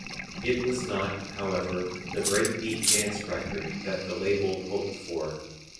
It was not, however, the breakbeat dance record that the label hoped for.